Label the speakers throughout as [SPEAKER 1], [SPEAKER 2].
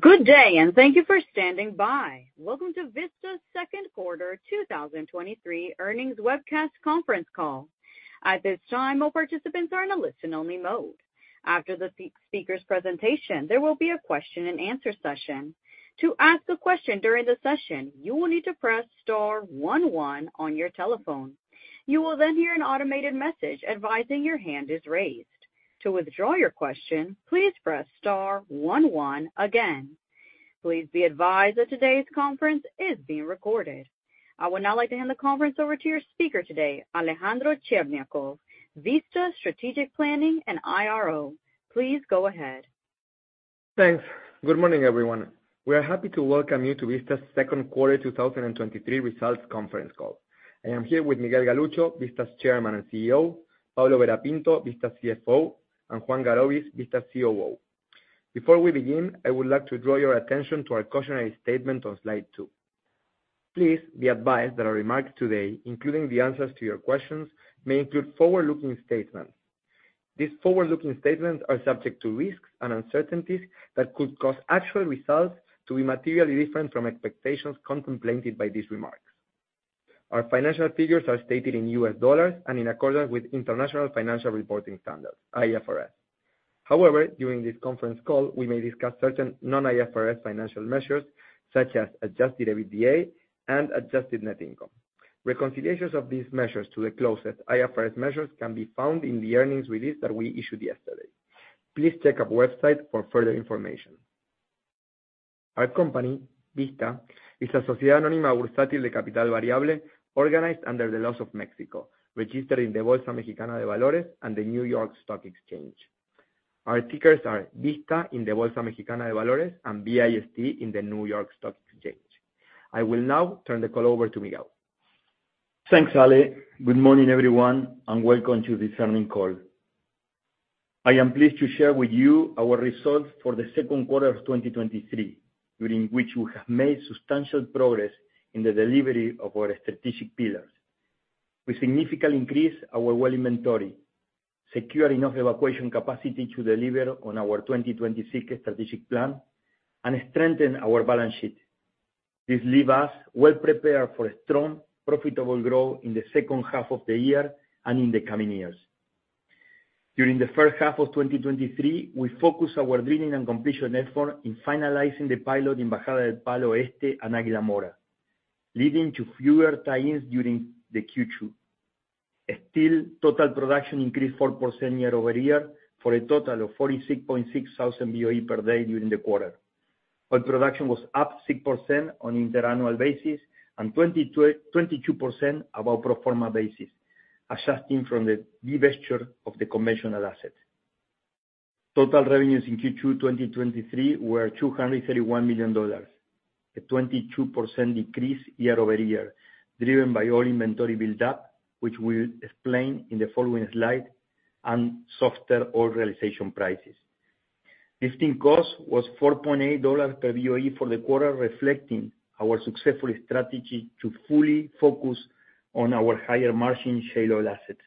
[SPEAKER 1] Good day. Thank you for standing by. Welcome to Vista's second quarter 2023 earnings webcast conference call. At this time, all participants are in a listen-only mode. After the speaker's presentation, there will be a question and answer session. To ask a question during the session, you will need to press star one one on your telephone. You will hear an automated message advising your hand is raised. To withdraw your question, please press star one one again. Please be advised that today's conference is being recorded. I would now like to hand the conference over to your speaker today, Alejandro Cherñacov, Vista Strategic Planning and IRO. Please go ahead.
[SPEAKER 2] Thanks. Good morning, everyone. We are happy to welcome you to Vista's second quarter 2023 results conference call. I am here with Miguel Galuccio, Vista's Chairman and CEO, Pablo Vera Pinto, Vista's CFO, and Juan Garoby, Vista's COO. Before we begin, I would like to draw your attention to our cautionary statement on slide two. Please be advised that our remarks today, including the answers to your questions, may include forward-looking statements. These forward-looking statements are subject to risks and uncertainties that could cause actual results to be materially different from expectations contemplated by these remarks. Our financial figures are stated in U.S. dollars and in accordance with International Financial Reporting Standards, IFRS. However, during this conference call, we may discuss certain non-IFRS financial measures, such as adjusted EBITDA and adjusted net income. Reconciliations of these measures to the closest IFRS measures can be found in the earnings release that we issued yesterday. Please check our website for further information. Our company, Vista, is a sociedad anónima bursátil de capital variable, organized under the laws of Mexico, registered in the Bolsa Mexicana de Valores and the New York Stock Exchange. Our tickers are Vista in the Bolsa Mexicana de Valores and VIST in the New York Stock Exchange. I will now turn the call over to Miguel.
[SPEAKER 3] Thanks, Ale. Good morning, everyone, and welcome to this earnings call. I am pleased to share with you our results for the second quarter of 2023, during which we have made substantial progress in the delivery of our strategic pillars. We significantly increased our well inventory, secure enough evacuation capacity to deliver on our 2026 strategic plan, and strengthen our balance sheet. This leave us well prepared for a strong, profitable growth in the second half of the year and in the coming years. During the first half of 2023, we focused our drilling and completion effort in finalizing the pilot in Bajada del Palo Este and Águila Mora, leading to fewer tie-ins during the Q2. Still, total production increased 4% year-over-year for a total of 46.6 thousand BOE per day during the quarter. Oil production was up 6% on interannual basis and 22% above pro forma basis, adjusting from the divestiture of the conventional asset. Total revenues in Q2 2023 were $231 million, a 22% decrease year-over-year, driven by oil inventory build-up, which we'll explain in the following slide, and softer oil realization prices. Lifting cost was $4.8 per BOE for the quarter, reflecting our successful strategy to fully focus on our higher margin shale oil assets.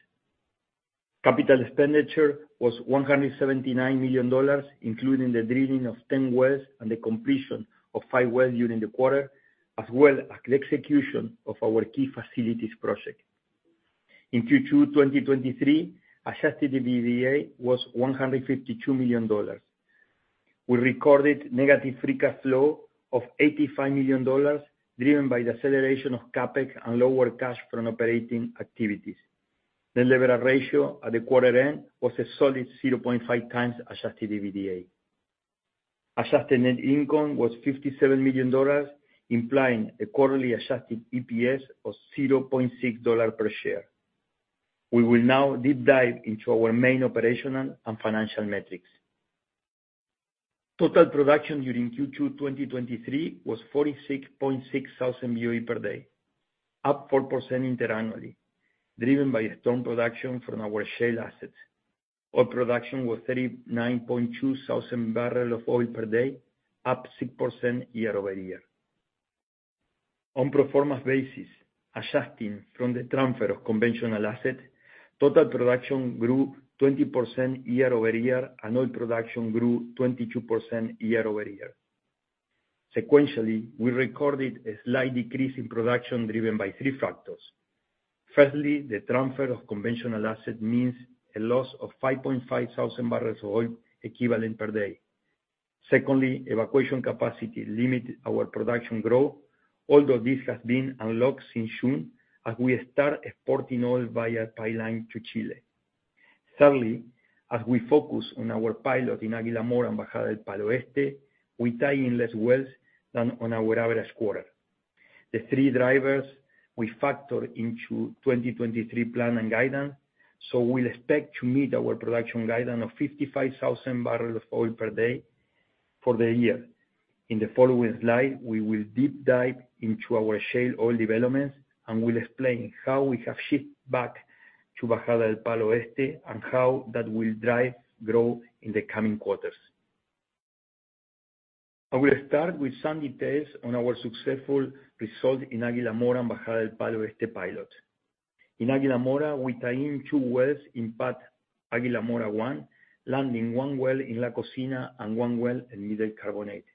[SPEAKER 3] Capital expenditure was $179 million, including the drilling of 10 wells and the completion of five wells during the quarter, as well as the execution of our key facilities project. In Q2 2023, adjusted EBITDA was $152 million. We recorded negative free cash flow of $85 million, driven by the acceleration of CapEx and lower cash from operating activities. The leverage ratio at the quarter end was a solid 0.5 times adjusted EBITDA. Adjusted net income was $57 million, implying a quarterly adjusted EPS of $0.6 per share. We will now deep dive into our main operational and financial metrics. Total production during Q2 2023 was 46.6 thousand BOE per day, up 4% interannually, driven by strong production from our shale assets. Oil production was 39.2 thousand barrels of oil per day, up 6% year-over-year. On pro forma basis, adjusting from the transfer of conventional asset, total production grew 20% year-over-year, and oil production grew 22% year-over-year. Sequentially, we recorded a slight decrease in production driven by three factors: Firstly, the transfer of conventional asset means a loss of 5,500 barrels of oil equivalent per day. Secondly, evacuation capacity limited our production growth, although this has been unlocked since June as we start exporting oil via pipeline to Chile. Thirdly, as we focus on our pilot in Águila Mora and Bajada del Palo Este, we tie in less wells than on our average quarter. The three drivers we factor into 2023 plan and guidance. We'll expect to meet our production guidance of 55,000 barrels of oil per day for the year. In the following slide, we will deep dive into our shale oil developments. We'll explain how we have shipped back to Bajada del Palo Este and how that will drive growth in the coming quarters. I will start with some details on our successful result in Águila Mora and Bajada del Palo Este pilot. In Águila Mora, we tie in two wells in pad Águila Mora 1, landing one well in La Cocina and one well in Middle Carbonate.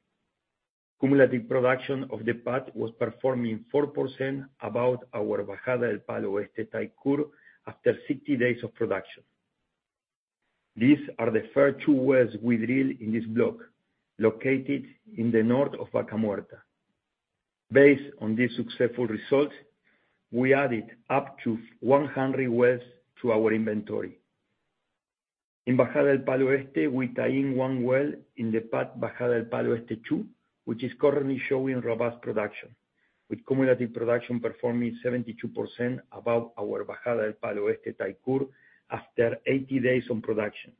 [SPEAKER 3] Cumulative production of the pad was performing 4% above our Bajada del Palo Este type curve after 60 days of production. These are the first two wells we drill in this block, located in the north of Vaca Muerta. Based on this successful result, we added up to 100 wells to our inventory. In Bajada del Palo Este, we tie in one well in the pad Bajada del Palo Este 2, which is currently showing robust production, with cumulative production performing 72% above our Bajada del Palo Este type curve after 80 days on production.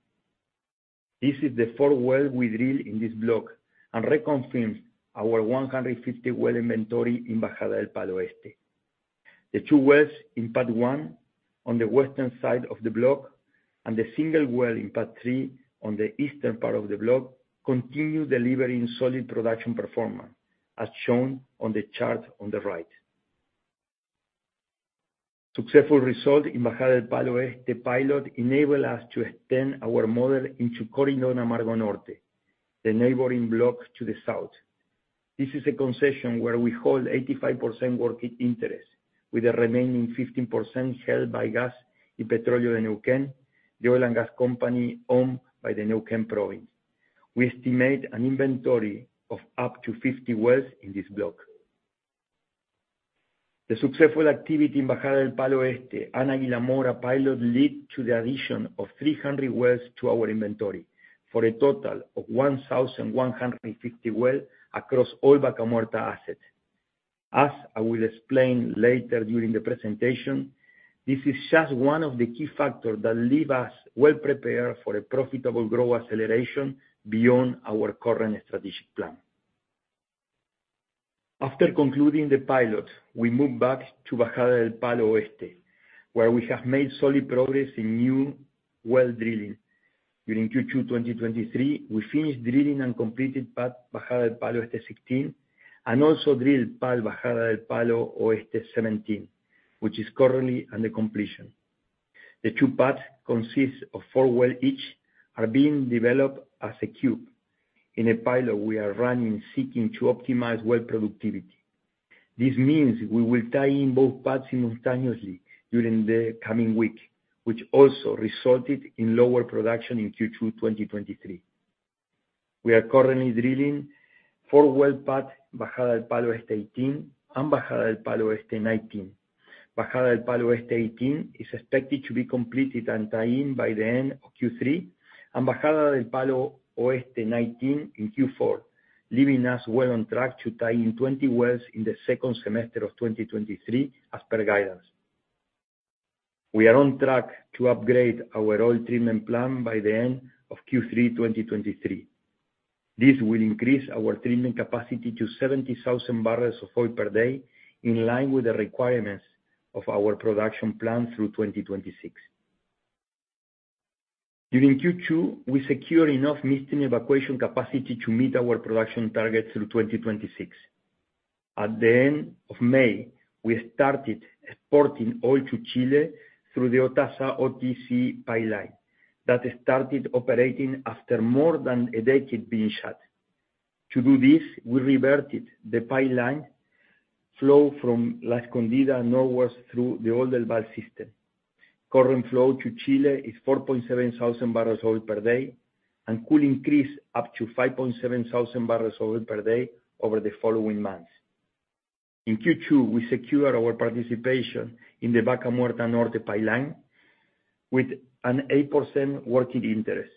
[SPEAKER 3] This is the fourth well we drill in this block, reconfirms our 150 well inventory in Bajada del Palo Este. The two wells in pad one, on the western side of the block, and the single well in pad three, on the eastern part of the block, continue delivering solid production performance, as shown on the chart on the right. Successful result in Bajada del Palo Este pilot enable us to extend our model into Coirón Amargo Norte, the neighboring block to the south. This is a concession where we hold 85% working interest, with the remaining 15% held by Gas y Petróleo del Neuquén, the oil and gas company owned by the Neuquén province. We estimate an inventory of up to 50 wells in this block. The successful activity in Bajada del Palo Este and Águila Mora pilot lead to the addition of 300 wells to our inventory, for a total of 1,150 well across all Vaca Muerta assets. As I will explain later during the presentation, this is just one of the key factors that leave us well prepared for a profitable growth acceleration beyond our current strategic plan. After concluding the pilot, we moved back to Bajada del Palo Este, where we have made solid progress in new well drilling. During Q2, 2023, we finished drilling and completed pad Bajada del Palo Este 16, and also drilled pad Bajada del Palo Oeste 17, which is currently under completion. The two pads consist of four well each, are being developed as a cube in a pilot we are running, seeking to optimize well productivity. This means we will tie in both pads simultaneously during the coming week, which also resulted in lower production in Q2 2023. We are currently drilling four-well pad Bajada del Palo Este 18 and Bajada del Palo Este 19. Bajada del Palo Este 18 is expected to be completed and tie in by the end of Q3, and Bajada del Palo Oeste 19 in Q4, leaving us well on track to tie in 20 wells in the second semester of 2023, as per guidance. We are on track to upgrade our oil treatment plan by the end of Q3 2023. This will increase our treatment capacity to 70,000 barrels of oil per day, in line with the requirements of our production plan through 2026. During Q2, we secured enough lifting evacuation capacity to meet our production targets through 2026. At the end of May, we started exporting oil to Chile through the OTASA OTC pipeline that started operating after more than a decade being shut. To do this, we reverted the pipeline flow from Escondida onwards through the old Del Valle system. Current flow to Chile is 4,700 barrels oil per day, and could increase up to 5,700 barrels oil per day over the following months. In Q2, we secured our participation in the Vaca Muerta Norte pipeline with an 8% working interest.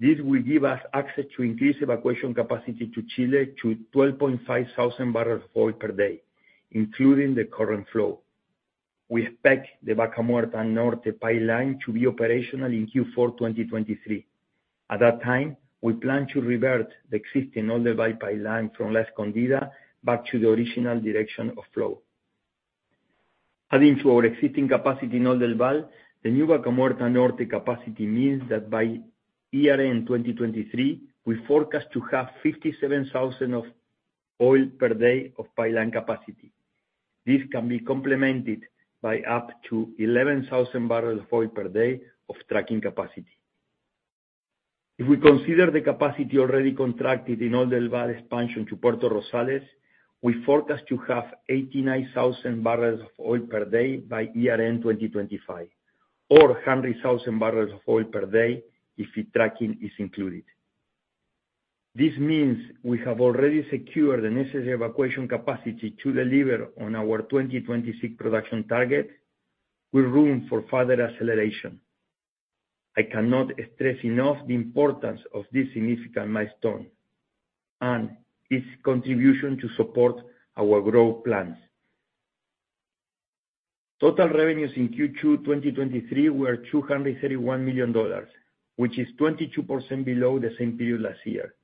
[SPEAKER 3] This will give us access to increased evacuation capacity to Chile to 12,500 barrels of oil per day, including the current flow. We expect the Vaca Muerta Norte pipeline to be operational in Q4, 2023. At that time, we plan to revert the existing Oldelval pipeline from Las Compuertas back to the original direction of flow. Adding to our existing capacity in Oldelval, the new Vaca Muerta Norte capacity means that by year-end, 2023, we forecast to have 57,000 of oil per day of pipeline capacity. This can be complemented by up to 11,000 barrels of oil per day of trucking capacity. If we consider the capacity already contracted in Oldelval expansion to Puerto Rosales, we forecast to have 89,000 barrels of oil per day by year-end, 2025, or 100,000 barrels of oil per day if the trucking is included. This means we have already secured the necessary evacuation capacity to deliver on our 2026 production target, with room for further acceleration. I cannot stress enough the importance of this significant milestone and its contribution to support our growth plans. Total revenues in Q2 2023 were $231 million, which is 22% below the same period last year.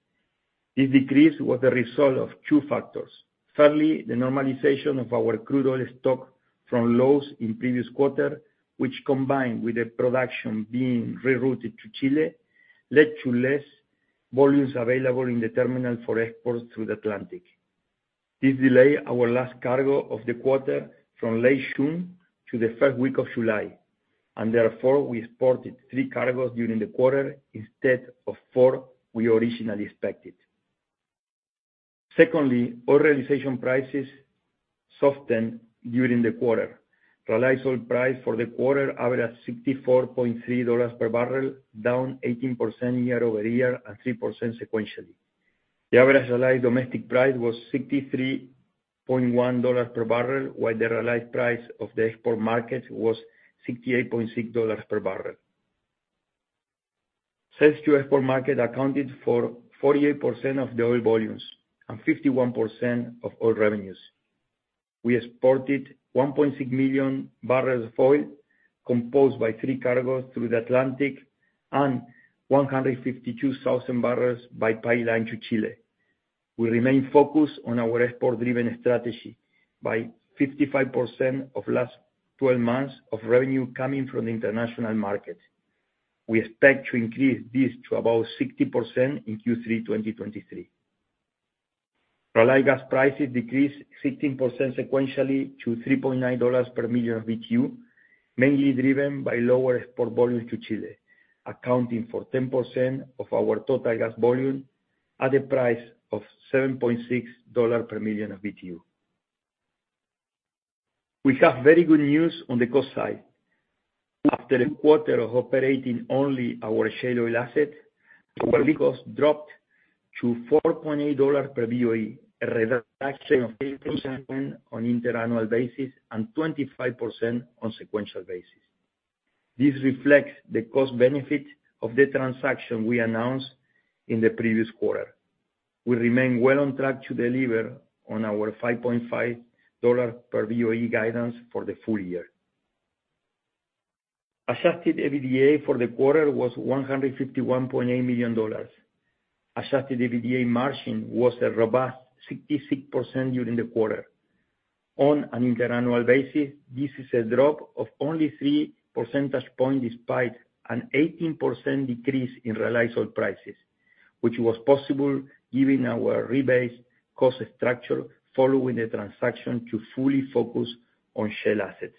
[SPEAKER 3] This decrease was a result of two factors. Thirdly, the normalization of our crude oil stock from lows in previous quarter, which, combined with the production being rerouted to Chile, led to less volumes available in the terminal for export through the Atlantic. This delay our last cargo of the quarter from late June to the first week of July, and therefore, we exported three cargoes during the quarter, instead of four we originally expected. Secondly, oil realization prices softened during the quarter. Realized oil price for the quarter averaged $64.3 per barrel, down 18% year-over-year, and 3% sequentially. The average realized domestic price was $63.1 per barrel, while the realized price of the export market was $68.6 per barrel. Sales to export market accounted for 48% of the oil volumes and 51% of oil revenues. We exported 1.6 million barrels of oil, composed by three cargoes through the Atlantic and 152,000 barrels by pipeline to Chile. We remain focused on our export-driven strategy by 55% of last 12 months of revenue coming from the international market. We expect to increase this to about 60% in Q3 2023. Realized gas prices decreased 16% sequentially to $3.9 per million BTU, mainly driven by lower export volumes to Chile, accounting for 10% of our total gas volume at a price of $7.6 per million of BTU. We have very good news on the cost side. After a quarter of operating only our shale oil asset, our well cost dropped to $4.8 per BOE, a reduction of 18% on interannual basis and 25% on sequential basis. This reflects the cost benefit of the transaction we announced in the previous quarter. We remain well on track to deliver on our $5.5 per BOE guidance for the full year. Adjusted EBITDA for the quarter was $151.8 million. Adjusted EBITDA margin was a robust 66% during the quarter. On an interannual basis, this is a drop of only three percentage points, despite an 18% decrease in realized oil prices, which was possible given our rebased cost structure following the transaction to fully focus on shale assets.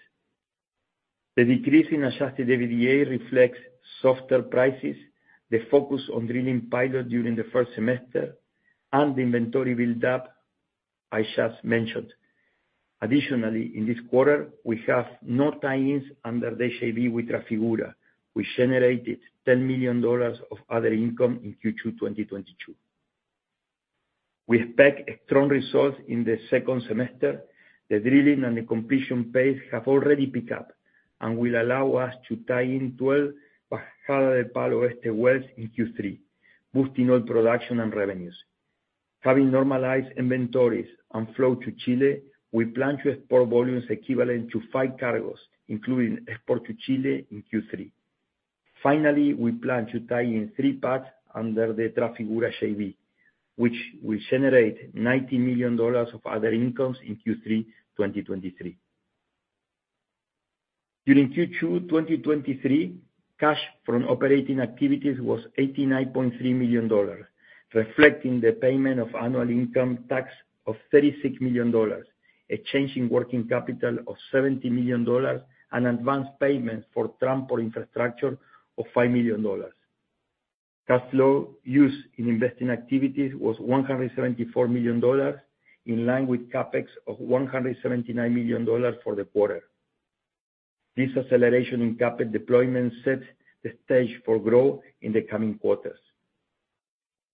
[SPEAKER 3] The decrease in adjusted EBITDA reflects softer prices, the focus on drilling pilot during the first semester, and the inventory build-up I just mentioned. Additionally, in this quarter, we have no tie-ins under the JV with Trafigura, which generated $10 million of other income in Q2, 2022. We expect a strong result in the second semester. The drilling and the completion pace have already picked up and will allow us to tie in 12 Bajada del Palo Este wells in Q3, boosting oil production and revenues. Having normalized inventories and flow to Chile, we plan to export volumes equivalent to five cargoes, including export to Chile in Q3. Finally, we plan to tie in three pads under the Trafigura JV, which will generate $90 million of other incomes in Q3, 2023. During Q2, 2023, cash from operating activities was $89.3 million, reflecting the payment of annual income tax of $36 million, a change in working capital of $70 million, and advanced payments for transport infrastructure of $5 million. Cash flow used in investing activities was $174 million, in line with CapEx of $179 million for the quarter. This acceleration in CapEx deployment sets the stage for growth in the coming quarters.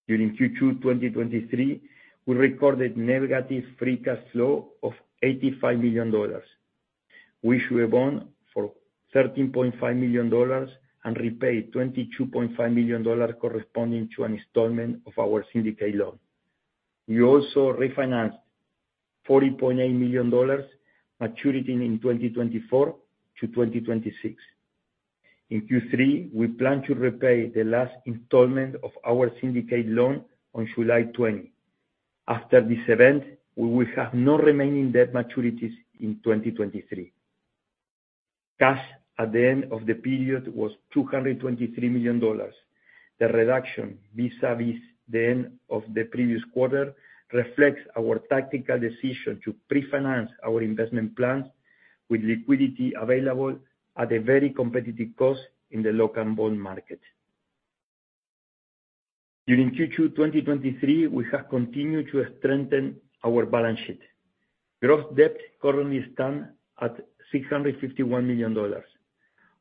[SPEAKER 3] During Q2, 2023, we recorded negative free cash flow of $85 million. We issued a bond for $13.5 million and repaid $22.5 million, corresponding to an installment of our syndicate loan. We also refinanced $40.8 million, maturing in 2024-2026. In Q3, we plan to repay the last installment of our syndicate loan on July 20. After this event, we will have no remaining debt maturities in 2023. Cash at the end of the period was $223 million. The reduction, vis-a-vis the end of the previous quarter, reflects our tactical decision to prefinance our investment plans with liquidity available at a very competitive cost in the local bond market. During Q2 2023, we have continued to strengthen our balance sheet. Gross debt currently stands at $651 million.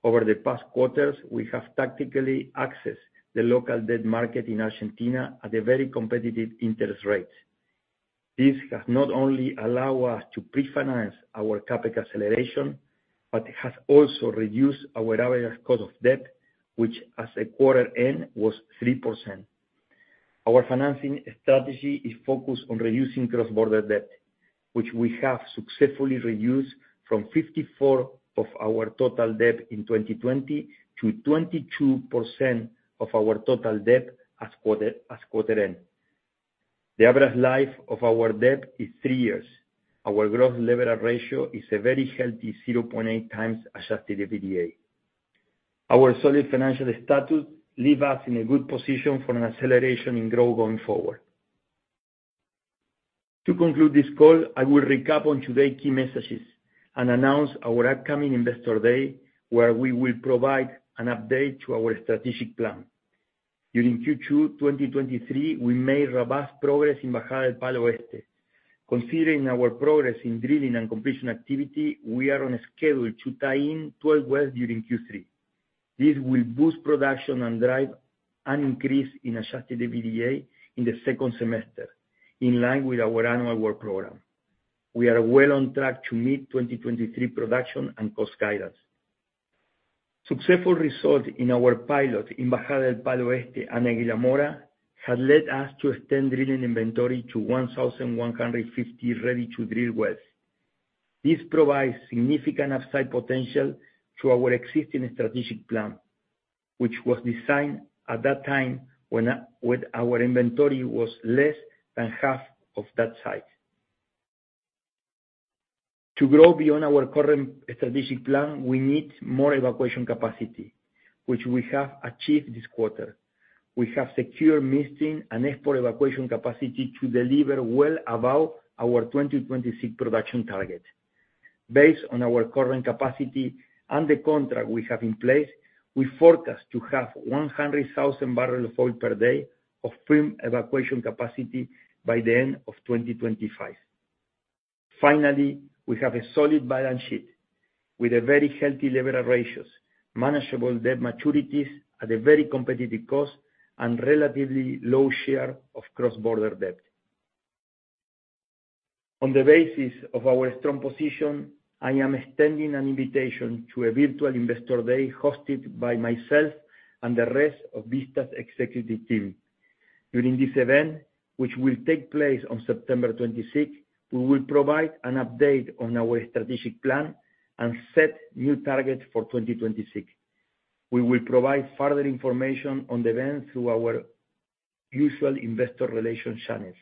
[SPEAKER 3] Over the past quarters, we have tactically accessed the local debt market in Argentina at a very competitive interest rate. This has not only allowed us to prefinance our CapEx acceleration, but it has also reduced our average cost of debt, which as of quarter end, was 3%. Our financing strategy is focused on reducing cross-border debt, which we have successfully reduced from 54% of our total debt in 2020 to 22% of our total debt as quarter end. The average life of our debt is three years. Our gross leverage ratio is a very healthy 0.8 times adjusted EBITDA. Our solid financial status leave us in a good position for an acceleration in growth going forward. To conclude this call, I will recap on today's key messages and announce our upcoming Investor Day, where we will provide an update to our strategic plan. During Q2 2023, we made robust progress in Bajada del Palo Este. Considering our progress in drilling and completion activity, we are on schedule to tie in 12 wells during Q3. This will boost production and drive an increase in adjusted EBITDA in the second semester, in line with our annual work program. We are well on track to meet 2023 production and cost guidance. Successful result in our pilot in Bajada del Palo Este and Águila Mora, has led us to extend drilling inventory to 1,150 ready-to-drill wells. This provides significant upside potential to our existing strategic plan, which was designed at that time when our inventory was less than half of that size. To grow beyond our current strategic plan, we need more evacuation capacity, which we have achieved this quarter. We have secured missing and export evacuation capacity to deliver well above our 2026 production target. Based on our current capacity and the contract we have in place, we forecast to have 100,000 barrels of oil per day of firm evacuation capacity by the end of 2025. We have a solid balance sheet with a very healthy leverage ratios, manageable debt maturities at a very competitive cost, and relatively low share of cross-border debt. On the basis of our strong position, I am extending an invitation to a virtual Investor Day, hosted by myself and the rest of Vista's executive team. During this event, which will take place on September 26th, we will provide an update on our strategic plan and set new targets for 2026. We will provide further information on the event through our usual investor relations channels.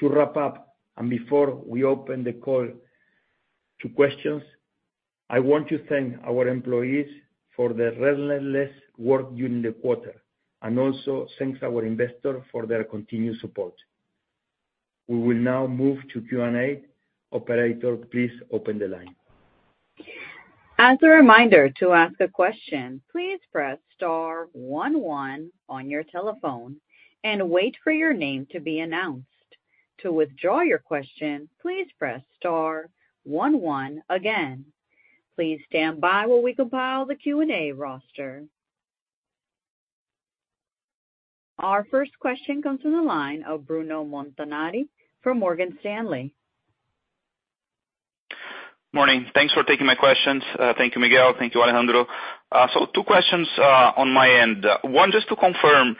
[SPEAKER 3] To wrap up, and before we open the call to questions, I want to thank our employees for their relentless work during the quarter, and also thank our investors for their continued support. We will now move to Q&A. Operator, please open the line.
[SPEAKER 1] As a reminder, to ask a question, please press star one one on your telephone and wait for your name to be announced. To withdraw your question, please press star one one again. Please stand by while we compile the Q&A roster. Our first question comes from the line of Bruno Montanari from Morgan Stanley.
[SPEAKER 4] Morning. Thanks for taking my questions. Thank you, Miguel. Thank you, Alejandro. Two questions on my end. One, just to confirm,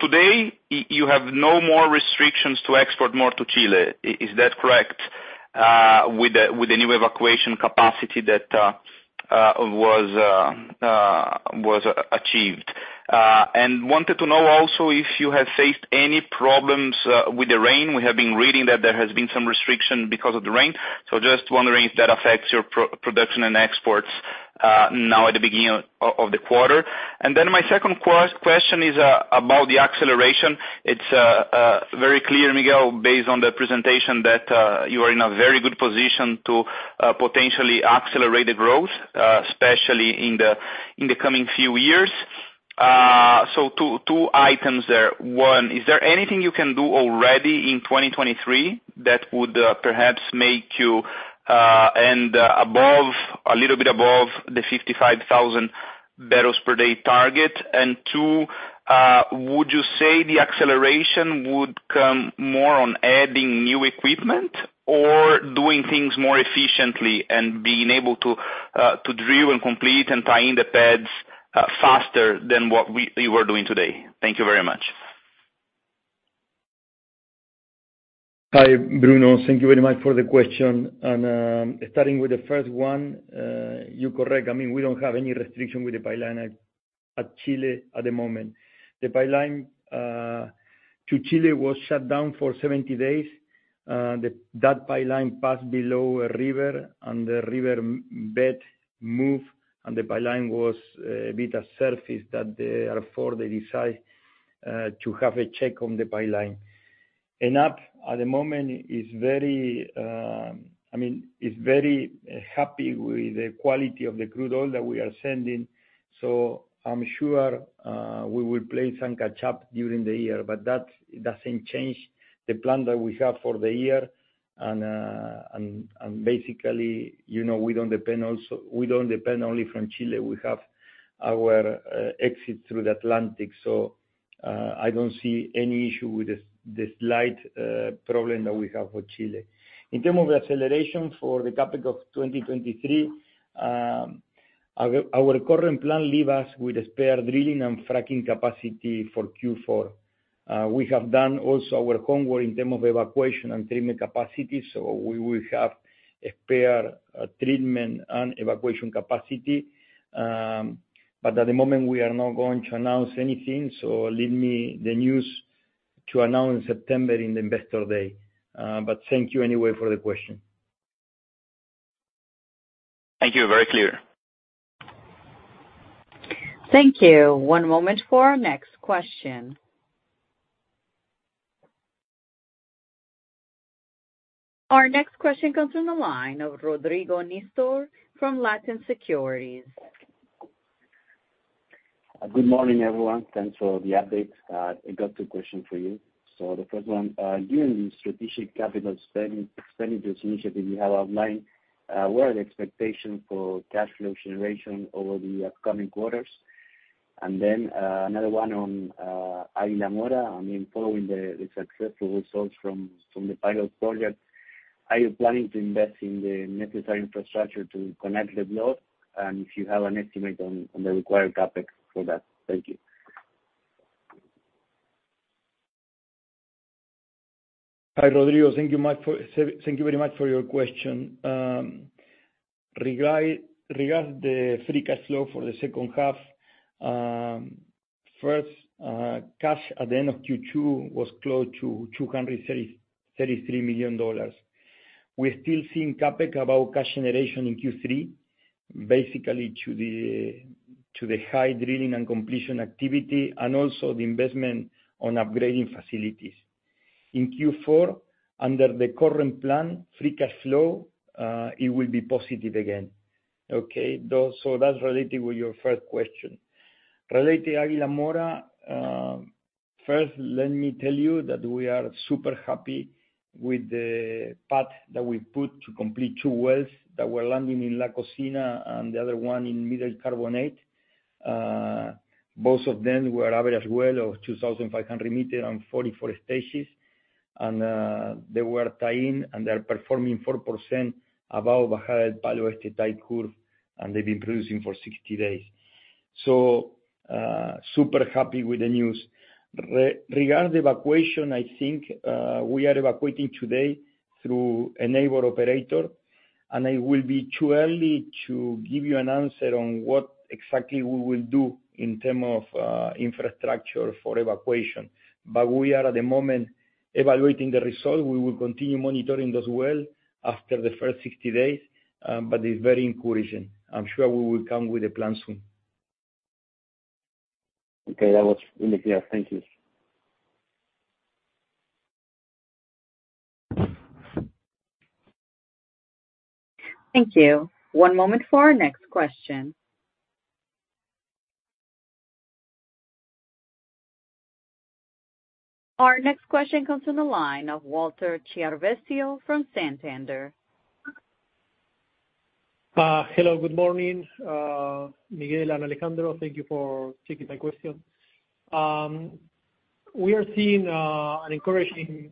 [SPEAKER 4] today, you have no more restrictions to export more to Chile. Is that correct, with the new evacuation capacity that was achieved? Wanted to know also if you have faced any problems with the rain. We have been reading that there has been some restriction because of the rain, just wondering if that affects your production and exports, now at the beginning of the quarter. My second question is about the acceleration. It's very clear, Miguel, based on the presentation, that you are in a very good position to potentially accelerate the growth, especially in the coming few years. Two items there. One, is there anything you can do already in 2023 that would perhaps make you a little bit above the 55,000 barrels per day target? Two, would you say the acceleration would come more on adding new equipment or doing things more efficiently and being able to drill and complete and tie in the pads faster than what you are doing today? Thank you very much.
[SPEAKER 3] Hi, Bruno. Thank you very much for the question. Starting with the first one, you're correct. I mean, we don't have any restriction with the pipeline at Chile at the moment. The pipeline to Chile was shut down for 70 days. That pipeline passed below a river, and the river bed moved, and the pipeline was a bit surfaced, that therefore they decide to have a check on the pipeline. At the moment, I mean, is very happy with the quality of the crude oil that we are sending. I'm sure we will play some catch up during the year, but that doesn't change the plan that we have for the year. Basically, you know, we don't depend only from Chile. We have our exit through the Atlantic. I don't see any issue with this slight problem that we have with Chile. In term of acceleration for the topic of 2023, our current plan leave us with a spare drilling and fracking capacity for Q4. We have done also our homework in term of evacuation and treatment capacity. We will have a spare treatment and evacuation capacity. At the moment, we are not going to announce anything. Leave me the news to announce September in the Investor Day. Thank you anyway for the question.
[SPEAKER 4] Thank you, very clear.
[SPEAKER 1] Thank you. One moment for our next question. Our next question comes from the line of Rodrigo Nistor from Latin Securities.
[SPEAKER 5] Good morning, everyone. Thanks for the updates. I got two questions for you. So the first one, given the strategic capital spending, expenditures initiative you have outlined, what are the expectations for cash flow generation over the upcoming quarters? Another one on Águila Mora. I mean, following the successful results from the pilot project, are you planning to invest in the necessary infrastructure to connect the block? And if you have an estimate on the required CapEx for that? Thank you.
[SPEAKER 3] Hi, Rodrigo. Thank you very much for your question. Regards the free cash flow for the second half, first, cash at the end of Q2 was close to $233 million. We're still seeing CapEx above cash generation in Q3, basically to the high drilling and completion activity, and also the investment on upgrading facilities. In Q4, under the current plan, free cash flow, it will be positive again. Okay? That's related with your first question. Related to Águila Mora, first, let me tell you that we are super happy with the path that we put to complete two wells that were landing in La Cocina and the other one in Middle Carbonate. Both of them were average well of 2,500 meters and 44 stages. They were tie-in, and they're performing 4% above the higher Palo Este type curve, and they've been producing for 60 days. Super happy with the news. Regarding evacuation, I think, we are evacuating today through a neighbor operator. It will be too early to give you an answer on what exactly we will do in term of infrastructure for evacuation. We are, at the moment, evaluating the result. We will continue monitoring those well after the first 60 days, but it's very encouraging. I'm sure we will come with a plan soon.
[SPEAKER 5] Okay, that was really clear. Thank you.
[SPEAKER 1] Thank you. One moment for our next question. Our next question comes from the line of Walter Chiarvesio from Santander.
[SPEAKER 6] Hello, good morning, Miguel and Alejandro. Thank you for taking my question. We are seeing an encouraging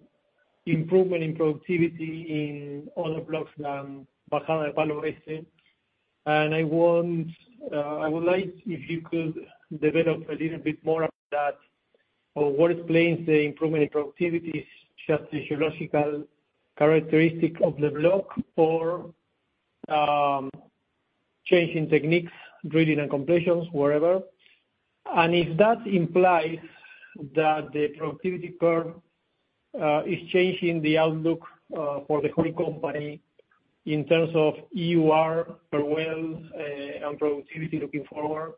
[SPEAKER 6] improvement in productivity in all the blocks than Bajada del Palo Este. I would like if you could develop a little bit more about that, or what explains the improvement in productivity, just the geological characteristic of the block or change in techniques, drilling and completions, wherever. If that implies that the productivity curve is changing the outlook for the whole company in terms of EUR per well and productivity looking forward.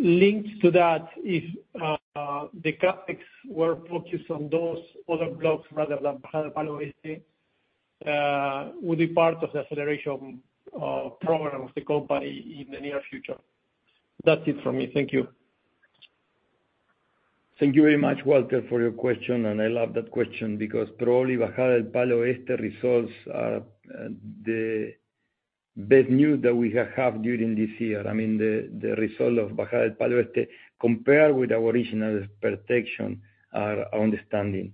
[SPEAKER 6] Linked to that, if the CapEx were focused on those other blocks rather than Bajada del Palo Este, would be part of the acceleration program of the company in the near future. That's it from me. Thank you.
[SPEAKER 3] Thank you very much, Walter, for your question. I love that question because probably Bajada del Palo Este results are the best news that we have during this year. I mean, the result of Bajada del Palo Este, compared with our original protection, are understanding.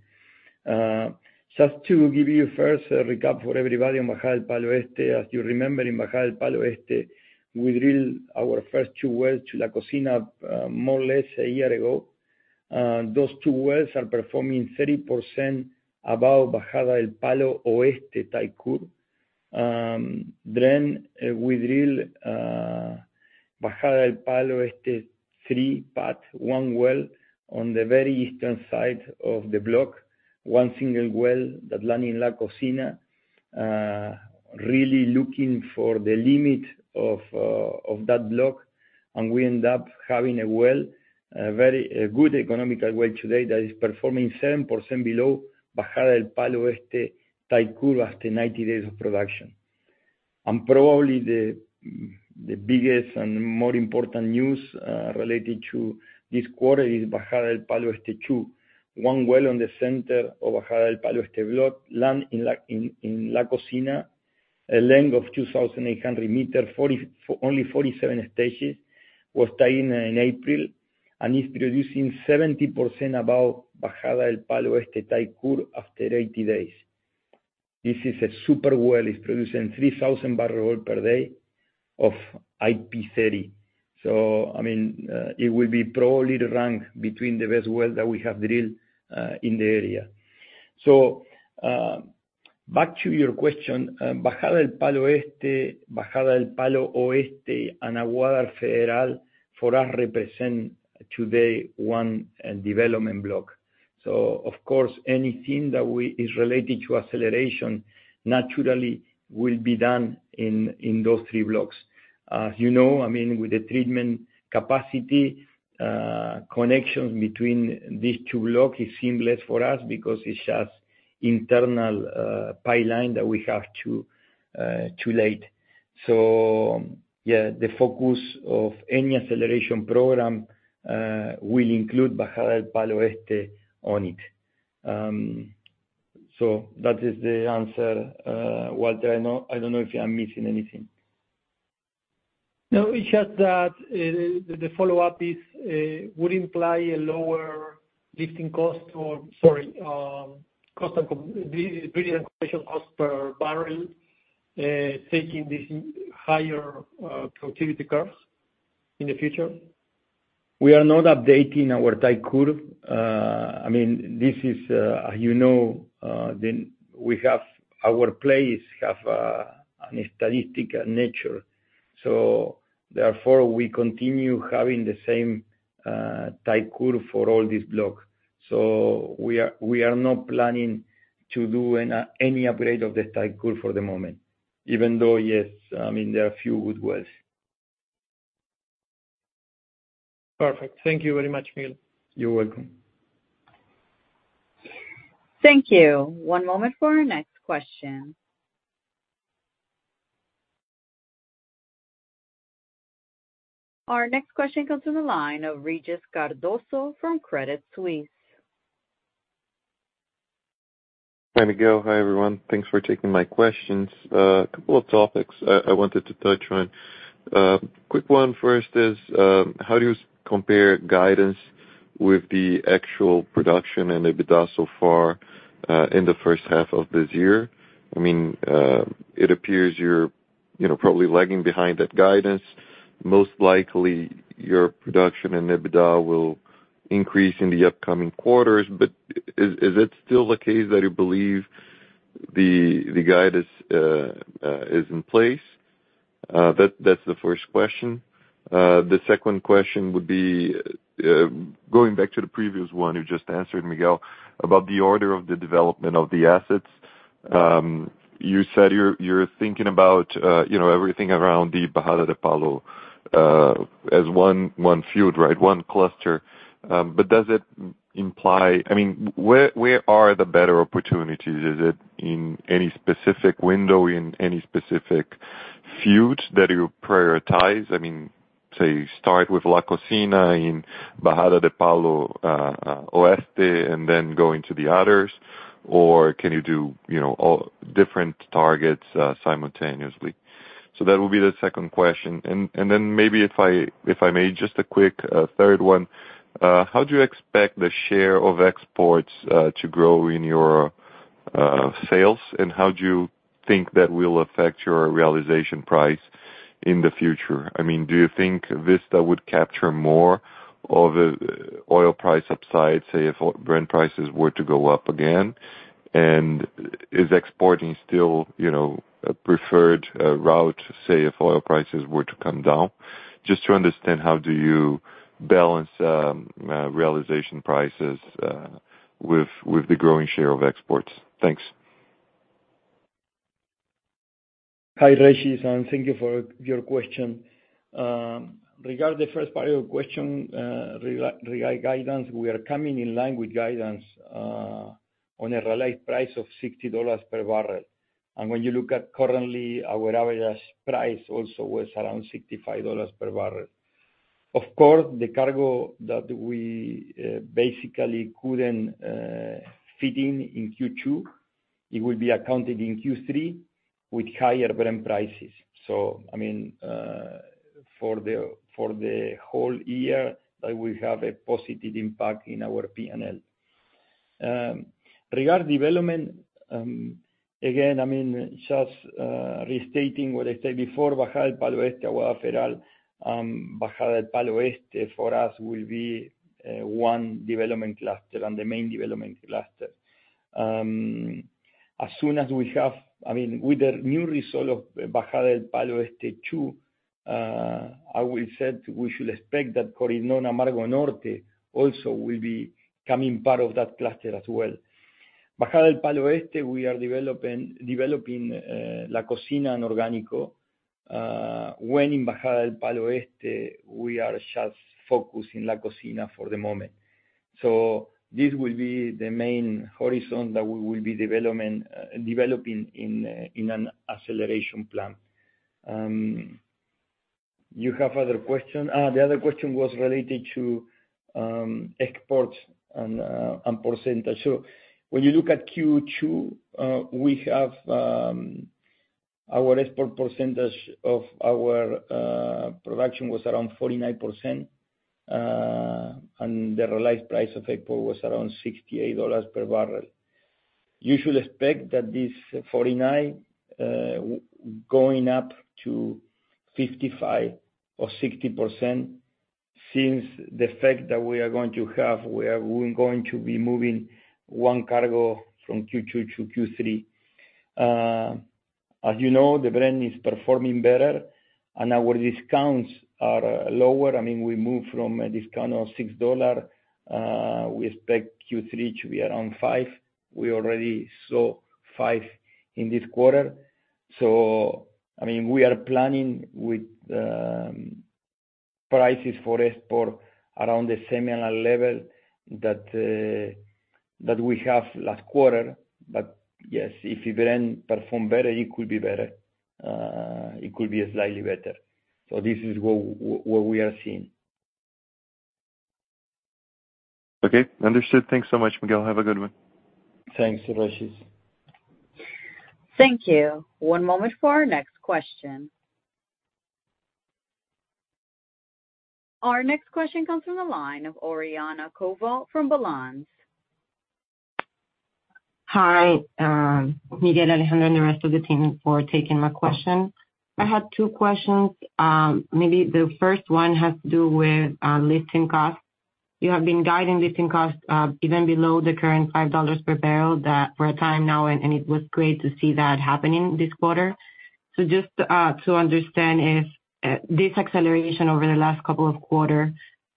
[SPEAKER 3] Just to give you first a recap for everybody on Bajada del Palo Este. As you remember, in Bajada del Palo Este, we drilled our first two wells to La Cocina, more or less a year ago. Those two wells are performing 30% above Bajada del Palo Oeste type curve. We drill Bajada del Palo Este 3, part one well on the very eastern side of the block. One single well that land in La Cocina, really looking for the limit of that block. We end up having a well, a very, a good economical well today, that is performing 7% below Bajada del Palo Este type curve after 90 days of production. Probably the biggest and more important news related to this quarter is Bajada del Palo Este 2, one well on the center of Bajada del Palo Este block, land in La Cocina, a length of 2,800 meters, only 47 stages, was tied in April, and is producing 70% above Bajada del Palo Este type curve after 80 days. This is a super well. It's producing 3,000 barrel oil per day of IP30. I mean, it will be probably ranked between the best well that we have drilled in the area. Back to your question, Bajada del Palo Este, Bajada del Palo Oeste, and Aguada Federal for us represent today one development block. Of course, anything that we is related to acceleration, naturally will be done in those three blocks. You know, I mean, with the treatment capacity, connection between these two block is seamless for us because it's just internal pipeline that we have to lay. Yeah, the focus of any acceleration program will include Bajada del Palo Este on it. So that is the answer, Walter. I don't know if I'm missing anything.
[SPEAKER 6] No, it's just that the follow-up is, would imply a lower lifting cost or sorry, cost and lifting cost per barrel, taking this higher productivity curves in the future?
[SPEAKER 3] We are not updating our type curve. I mean, this is, you know, the, we have our place, have, an statistical nature. Therefore, we continue having the same, type curve for all this block. We are not planning to do an, any upgrade of the type curve for the moment, even though, yes, I mean, there are few good wells.
[SPEAKER 6] Perfect. Thank you very much, Miguel.
[SPEAKER 3] You're welcome.
[SPEAKER 1] Thank you. One moment for our next question. Our next question comes to the line of Regis Cardoso from Credit Suisse.
[SPEAKER 7] Hi, Miguel. Hi, everyone. Thanks for taking my questions. A couple of topics I wanted to touch on. Quick one first is, how do you compare guidance with the actual production and EBITDA so far in the first half of this year? I mean, it appears you're, you know, probably lagging behind that guidance. Most likely, your production and EBITDA will increase in the upcoming quarters, but is it still the case that you believe the guidance is in place? That's the first question. The second question would be, going back to the previous one you just answered, Miguel, about the order of the development of the assets. You said you're thinking about, you know, everything around the Bajada del Palo as one field, right? One cluster. Does it imply, I mean, where are the better opportunities? Is it in any specific window, in any specific field that you prioritize? I mean, say, you start with La Cocina in Bajada del Palo Oeste, and then go into the others, or can you do, you know, all different targets simultaneously? That would be the second question. Maybe if I, if I may, just a quick third one. How do you expect the share of exports to grow in your sales? How do you think that will affect your realization price in the future? I mean, do you think Vista would capture more of the oil price upside, say, if Brent prices were to go up again? Is exporting still, you know, a preferred route, say, if oil prices were to come down? Just to understand, how do you balance realization prices with the growing share of exports? Thanks.
[SPEAKER 3] Hi, Regis, thank you for your question. Regarding the first part of your question, regard guidance, we are coming in line with guidance, on a realized price of $60 per barrel. When you look at currently, our average price also was around $65 per barrel. Of course, the cargo that we basically couldn't fit in in Q2, it will be accounted in Q3 with higher Brent prices. I mean, for the whole year, that will have a positive impact in our P&L. Regarding development, again, I mean, just restating what I said before, Bajada del Palo Este, Aguada Federal, Bajada del Palo Este for us will be one development cluster and the main development cluster. As soon as with the new result of Bajada del Palo Este 2, I will say we should expect that Coirón Amargo Norte also will be coming part of that cluster as well. Bajada del Palo Este, we are developing La Cocina and Orgánico. When in Bajada del Palo Este, we are just focusing La Cocina for the moment. This will be the main horizon that we will be developing in an acceleration plan. You have other question? The other question was related to export and percentage. When you look at Q2, we have our export percentage of our production was around 49%, and the realized price of April was around $68 per barrel. You should expect that this 49% going up to 55% or 60%. The effect that we are going to have, we are going to be moving one cargo from Q2 to Q3. As you know, the Brent is performing better. Our discounts are lower. I mean, we moved from a discount of $6, we expect Q3 to be around $5. We already saw $5 in this quarter. I mean, we are planning with prices for export around the similar level that we have last quarter. Yes, if the Brent perform better, it could be better, it could be slightly better. This is what we are seeing.
[SPEAKER 7] Okay, understood. Thanks so much, Miguel. Have a good one.
[SPEAKER 3] Thanks, Regis.
[SPEAKER 1] Thank you. One moment for our next question. Our next question comes from the line of Oriana Covault from Balanz.
[SPEAKER 8] Hi, Miguel, Alejandro, and the rest of the team, for taking my question. I had two questions. Maybe the first one has to do with lifting costs. You have been guiding lifting costs even below the current $5 per barrel that for a time now, and it was great to see that happening this quarter. Just to understand if this acceleration over the last couple of quarter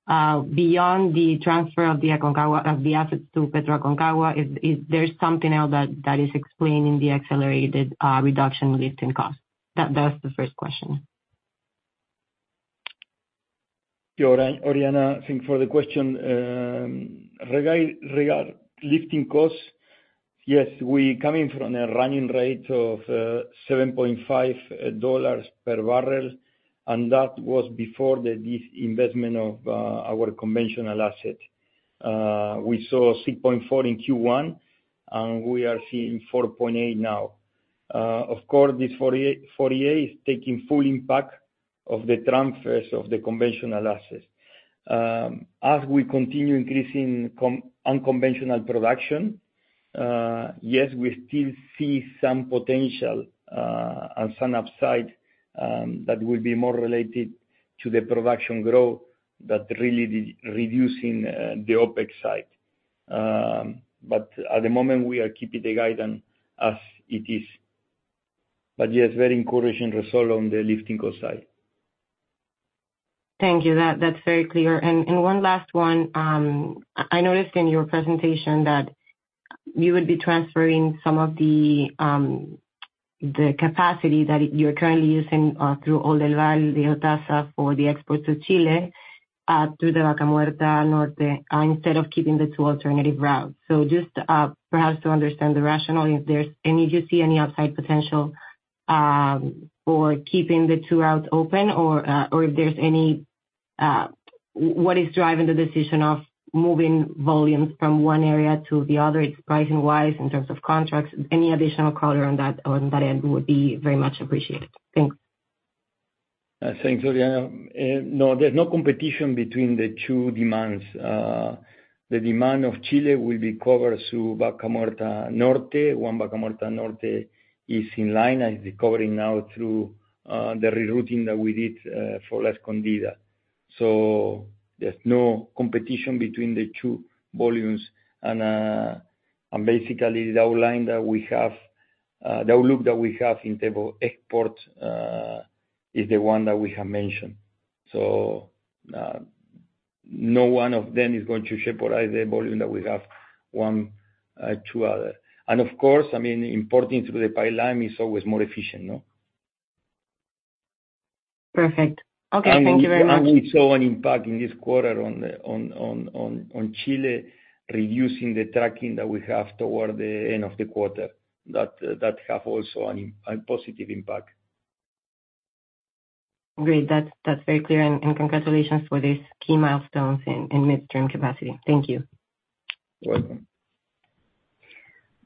[SPEAKER 8] beyond the transfer of the Aconcagua, of the assets to Aconcagua, is there something else that is explaining the accelerated reduction in lifting costs? That's the first question.
[SPEAKER 3] Sure, Oriana, thanks for the question. Regard lifting costs, yes, we coming from a running rate of $7.5/barrel, and that was before the disinvestment of our conventional asset. We saw $6.4/barrel in Q1, we are seeing $4.8/barrel now. Of course, this 4.8 is taking full impact of the transfers of the conventional assets. As we continue increasing unconventional production, yes, we still see some potential and some upside, that will be more related to the production growth, but really reducing the OpEx side. At the moment, we are keeping the guidance as it is. Yes, very encouraging result on the lifting cost side.
[SPEAKER 8] Thank you. That's very clear. One last one. I noticed in your presentation that you would be transferring some of the capacity that you're currently using through Oldelval de OTASA for the exports to Chile, through the Vaca Muerta Norte, instead of keeping the two alternative routes. Just perhaps to understand the rationale, if there's any, do you see any upside potential for keeping the two routes open? If there's any, what is driving the decision of moving volumes from one area to the other? It's pricing-wise, in terms of contracts. Any additional color on that, on that end, would be very much appreciated. Thanks.
[SPEAKER 3] Thanks, Oriana. No, there's no competition between the two demands. The demand of Chile will be covered through Vaca Muerta Norte. One, Vaca Muerta Norte is in line and is recovering now through the rerouting that we did for Escondida. There's no competition between the two volumes. Basically, the outlook that we have in table export is the one that we have mentioned. No one of them is going to ship all the volume that we have, one, to other. Of course, I mean, importing through the pipeline is always more efficient, no?
[SPEAKER 8] Perfect. Okay, thank you very much.
[SPEAKER 3] We saw an impact in this quarter on Chile, reducing the tracking that we have toward the end of the quarter, that have also a positive impact.
[SPEAKER 8] Great. That's very clear. Congratulations for these key milestones in midterm capacity. Thank you.
[SPEAKER 3] You're welcome.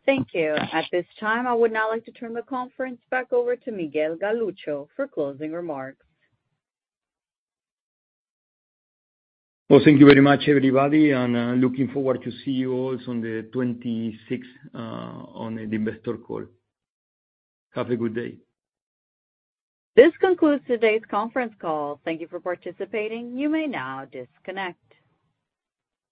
[SPEAKER 1] Thank you. At this time, I would now like to turn the conference back over to Miguel Galuccio for closing remarks.
[SPEAKER 3] Thank you very much, everybody, looking forward to see you all on the 26th on the investor call. Have a good day.
[SPEAKER 1] This concludes today's conference call. Thank you for participating. You may now disconnect.